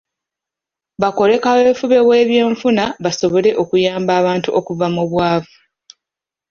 Bakole kaweefube w'ebyenfuna basobole okuyamba abantu okuva mu bwavu.